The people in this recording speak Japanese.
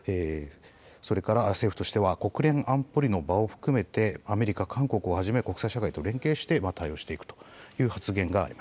それから政府としては国連安保理の場を含めて、アメリカ、韓国をはじめ、国際社会と連携して対応していくという発言があり